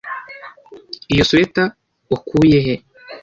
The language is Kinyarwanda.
iyo swater wakuye he